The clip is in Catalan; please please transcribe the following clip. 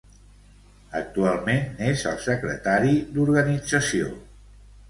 Actualment n'és el secretari d'organització.